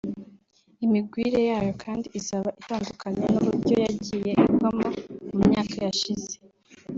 Imigwire yayo kandi izaba itandukanye n’uburyo yagiye igwamo mu myaka yashize